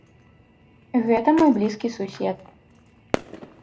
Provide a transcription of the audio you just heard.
Гэта мой блізкі сусед.